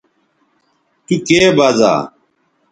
تو کے بزا